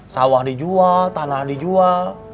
sawah dijual tanah dijual